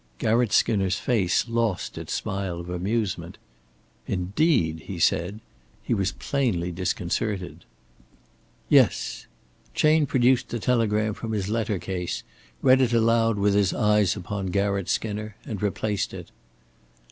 Garratt Skinner's face lost its smile of amusement. "Indeed?" he said. He was plainly disconcerted. "Yes." Chayne produced the telegram from his letter case, read it aloud with his eyes upon Garratt Skinner, and replaced it.